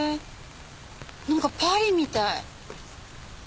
なんかパリみたい。